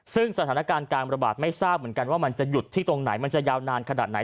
ซึ่งสถานการณ์การระบาดไม่ทราบเหมือนกันว่ามันจะหยุดที่ตรงไหนมันจะยาวนานขนาดไหน